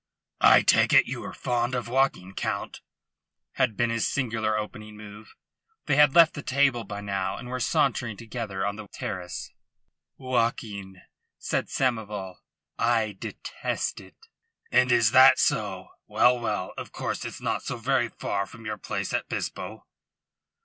"I take it ye're fond of walking, Count," had been his singular opening move. They had left the table by now, and were sauntering together on the terrace. "Walking?" said Samoval. "I detest it." "And is that so? Well, well! Of course it's not so very far from your place at Bispo."